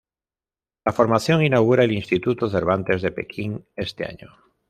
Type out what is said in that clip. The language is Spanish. La formación inaugura el instituto Cervantes de Pekín este año.